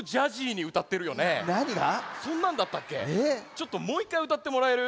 ちょっともう１かいうたってもらえる？